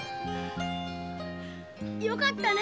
よかったね。